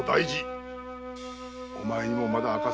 お前にもまだ明かせぬ。